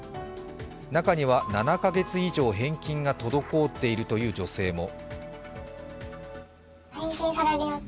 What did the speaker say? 中には７カ月以上返金が滞っているという女性も。